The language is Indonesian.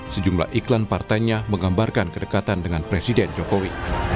sejumlah iklan partainya menggambarkan kedekatan dengan presiden jokowi